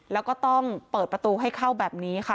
แล้วก็ต้องเปิดประตูให้เข้าแบบนี้ค่ะ